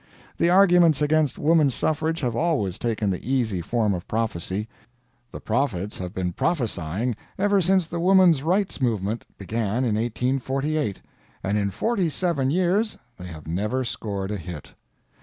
The arguments against woman suffrage have always taken the easy form of prophecy. The prophets have been prophesying ever since the woman's rights movement began in 1848 and in forty seven years they have never scored a hit.